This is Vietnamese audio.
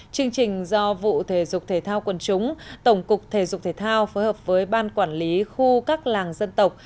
chương trình do vụ thể dục thể thao quần chúng tổng cục thể dục thể thao phối hợp với ban quản lý khu các làng dân tộc